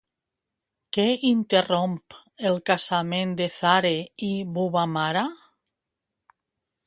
Què interromp el casament de Zare i Bubamara?